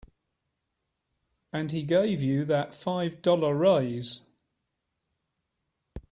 And he gave you that five dollar raise.